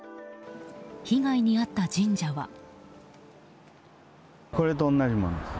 被害に遭った神社は。